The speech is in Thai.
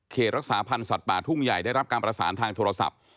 รักษาพันธ์สัตว์ป่าทุ่งใหญ่ได้รับการประสานทางโทรศัพท์